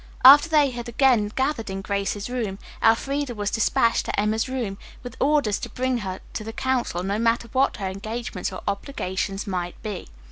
After they had again gathered in Grace's room, Elfreda was despatched to Emma's room with orders to bring her to the council, no matter what her engagements or obligations might be.